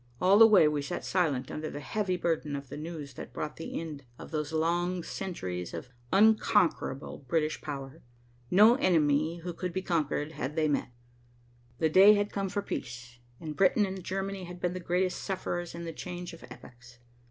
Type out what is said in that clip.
All the way we sat silent under the heavy burden of the news that brought the end of those long centuries of unconquerable British power. No enemy who could be conquered had they met. The day had come for peace, and Britain and Germany had been the greatest sufferers in the change of epochs.